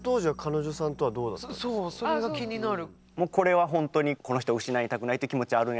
そうそれが気になる。